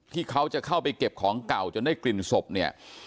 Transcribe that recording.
ที่เขาจะเข้าไปเก็บของเก่าจนได้กลิ่นศพเนี่ย